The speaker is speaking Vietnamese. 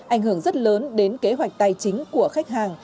ảnh hưởng rất lớn đến kế hoạch tài chính của khách hàng